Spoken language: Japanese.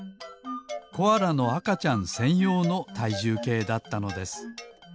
コアラのあかちゃんせんようのたいじゅうけいだったのです。